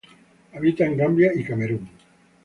Habita en Gambia y Camerún.